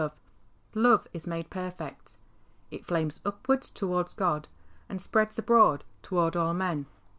Love is made perfect. It flames upwards towards God, and spreads abroad toward all men.